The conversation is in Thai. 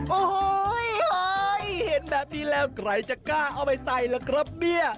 โอ้โหเห็นแบบนี้แล้วใครจะกล้าเอาไปใส่ล่ะครับเนี่ย